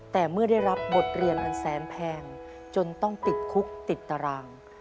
แต่เมื่อได้รับบทเรียนมันแสนแพงจนต้องติดคุกติดตาราง